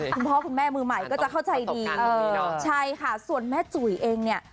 คุณพ่อคุณแม่มือใหม่ก็จะเข้าใจดีใช่ค่ะส่วนแม่จุ๋ยเองเนี่ย